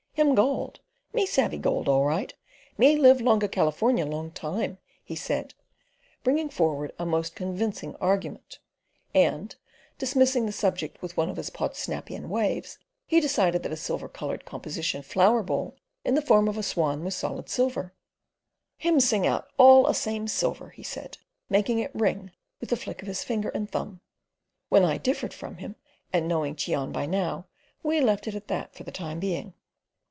"Him gold. Me savey gold all right. Me live longa California long time," he said, bringing forward a most convincing argument; and, dismissing the subject with one of his Podsnapian waves, he decided that a silver coloured composition flower bowl in the form of a swan was solid silver; "Him sing out all a same silver," he said, making it ring with a flick of his finger and thumb, when I differed from him, and knowing Cheon by now, we left it at that for the time being.